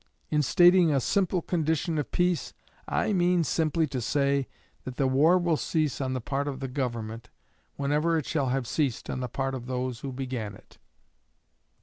In stating a single condition of peace, I mean simply to say that the war will cease on the part of the Government whenever it shall have ceased on the part of those who began it."